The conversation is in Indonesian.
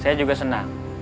saya juga senang